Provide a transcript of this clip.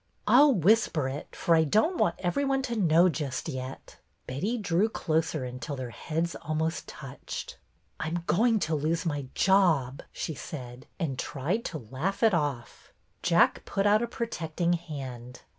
" I 'll whisper it, for I don't want every one to know just yet." Betty drew closer until their heads almost touched. " I 'm going to lose my job," she said, and tried to laugh it off. Jack put out a protecting hand.